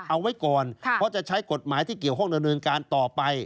เอาไว้ก่อนเพราะจะใช้กฎหมายที่เกี่ยวข้องดำเนินการต่อไป